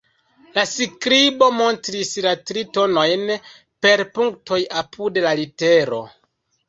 La skribo montris la tri tonojn per punktoj apud la litero.